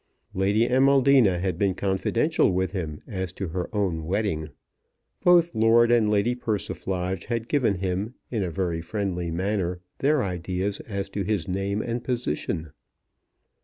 Lady Amaldina had been confidential with him as to her own wedding. Both Lord and Lady Persiflage had given him in a very friendly manner their ideas as to his name and position.